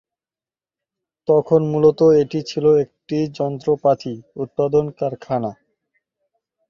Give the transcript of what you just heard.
তখন মূলত এটি ছিল একটি যন্ত্রপাতি উৎপাদন কারখানা।